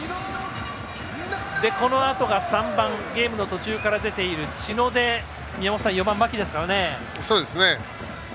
このあとが３番ゲームの途中から出ている知野で宮本さん、４番、牧ですからね。